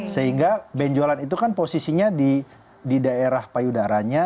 sehingga benjolan itu kan posisinya di daerah payudaranya